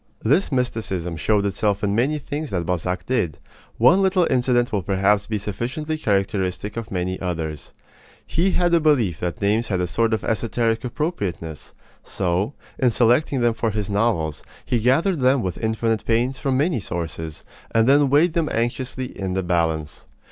This mysticism showed itself in many things that Balzac did. One little incident will perhaps be sufficiently characteristic of many others. He had a belief that names had a sort of esoteric appropriateness. So, in selecting them for his novels, he gathered them with infinite pains from many sources, and then weighed them anxiously in the balance.